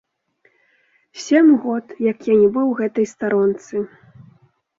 Сем год, як я не быў у гэтай старонцы.